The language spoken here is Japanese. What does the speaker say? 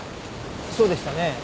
そうでしたね？